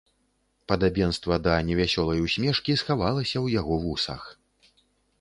Падабенства да невясёлай усмешкі схавалася ў яго вусах.